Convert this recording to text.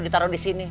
ditaruh di sini